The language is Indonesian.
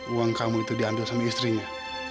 uang kamu itu diambil sama istrinya